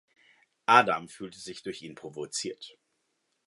Adam fühlt sich durch ihn provoziert.